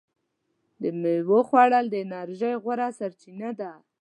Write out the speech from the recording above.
د میوې خوړل د انرژۍ غوره سرچینه ده.